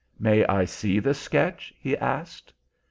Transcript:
"May I see the sketch?" he asked.